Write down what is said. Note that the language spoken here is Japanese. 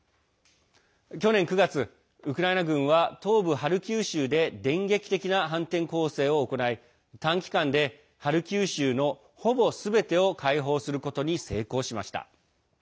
去年９月、ウクライナ軍は東部ハルキウ州で電撃的な反転攻勢を行い短期間でハルキウ州の、ほぼすべてを解放することに成功しました。